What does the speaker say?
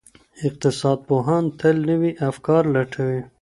اقتصاد پوهان تل نوي افکار لټوي.